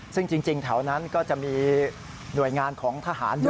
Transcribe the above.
ซึ่งจริงแถวนั้นก็จะมีหน่วยงานของทหารเยอะ